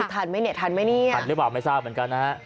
ถันไหมเนี่ยนะฮะค่ะถันหรือเปล่าไม่ทราบเหมือนกันนะฮะ